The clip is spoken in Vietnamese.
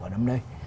ở năm nay